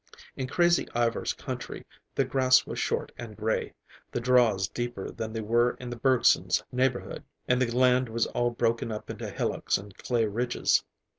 In Crazy Ivar's country the grass was short and gray, the draws deeper than they were in the Bergsons' neighborhood, and the land was all broken up into hillocks and clay ridges.